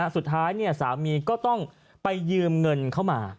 สุดท้ายสามีก็ต้องไปยืมเงินเข้ามา